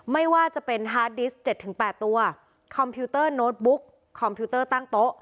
ไม่ว่าจะเป็นฮาร์ดดิส๗๘ตัวคอมพิวเตอร์โน้ตบุ๊กคอมพิวเตอร์ตั้งโต๊ะ